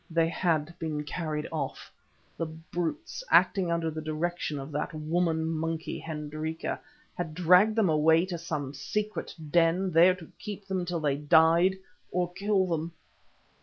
They had been carried off. The brutes, acting under the direction of that woman monkey, Hendrika, had dragged them away to some secret den, there to keep them till they died—or kill them!